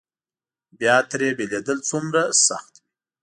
بیا ترې بېلېدل څومره سخت وي.